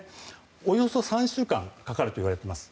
およそ３週間かかるといわれています。